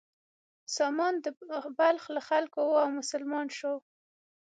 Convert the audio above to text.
سامان د بلخ له خلکو و او مسلمان شو.